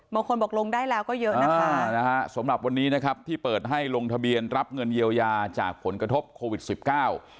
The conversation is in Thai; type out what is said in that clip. บางคนบอกลงได้แล้วก็เยอะนะคะสำหรับวันนี้นะครับที่เปิดให้ลงทะเบียนรับเงินเยียวยาจากผลกระทบโควิดสิบเก้า